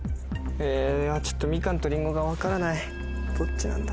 えちょっとミカンとリンゴが分からない。